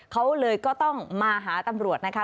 เขาเลยก็ต้องมาหาตำรวจนะคะ